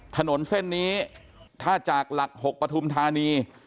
ถนนเส้นนี้ถ้าจากหลัก๖ปฐุมธานี